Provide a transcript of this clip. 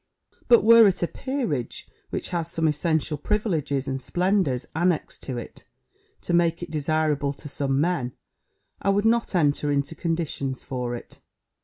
But were it a peerage, which has some essential privileges and splendours annexed to it, to make it desirable to some men, I would not enter into conditions for it.